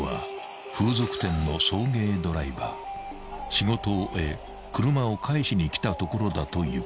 ［仕事を終え車を返しにきたところだという］